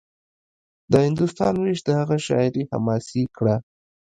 د هندوستان وېش د هغه شاعري حماسي کړه